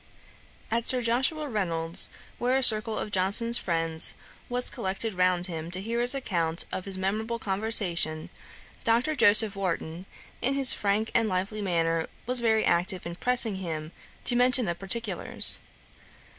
At Sir Joshua Reynolds's, where a circle of Johnson's friends was collected round him to hear his account of this memorable conversation, Dr. Joseph Warton, in his frank and lively manner, was very active in pressing him to mention the particulars.